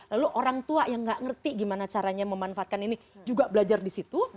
lalu orang tua yang nggak ngerti gimana caranya memanfaatkan ini juga belajar di situ